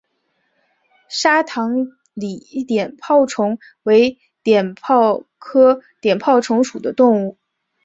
沙塘鳢碘泡虫为碘泡科碘泡虫属的动物。